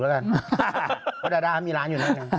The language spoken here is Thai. เพราะดาดามีร้านอยู่นั่น